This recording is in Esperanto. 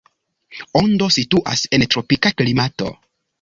Ondo situas en tropika klimato.